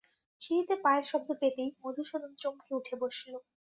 সিঁড়িতে পায়ের শব্দ পেতেই মধুসূদন চমকে উঠে বসল।